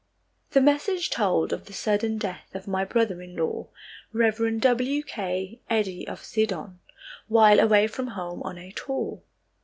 The message told of the sudden death of my brother in law, Rev. W. K. Eddy of Sidon, while away from home on a tour.